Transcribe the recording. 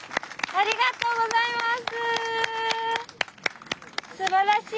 ありがとうございます。